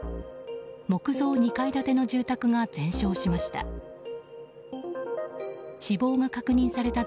木造２階建ての住宅が全焼しました。